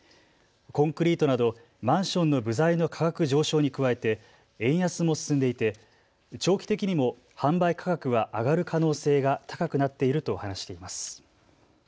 コンクリートなどマンションの部材の価格上昇に加えて円安も進んでいて長期的にも販売価格は上がる可能性が高くなっていると話しています。